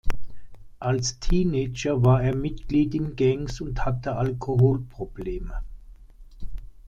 Als Teenager war er Mitglied in Gangs und hatte Alkoholprobleme.